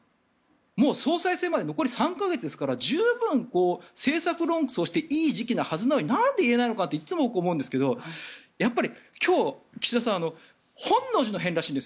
もう総裁選まで残り３か月ですから十分、政策論争していい時期なはずなのになんで言えないのかっていつも思うんですけどやっぱり今日、岸田さん本能寺の変らしいんです。